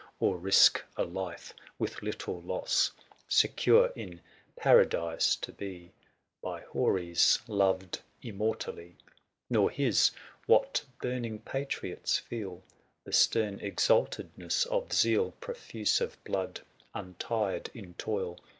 Or risk a life with little loss. THE SIEGE OF CORINTH. 19 Secure in paradise to be 255 By Houris loved immortally : Nor his, what burning patriots feel, The stern exaltedness of zeal. Profuse of blood, un tired in toil.